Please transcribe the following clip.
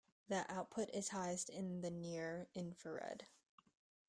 The output is highest in the near infrared.